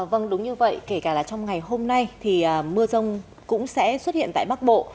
vâng đúng như vậy kể cả là trong ngày hôm nay thì mưa rông cũng sẽ xuất hiện tại bắc bộ